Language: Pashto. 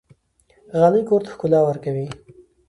غالۍ کور ته ښکلا ورکوي.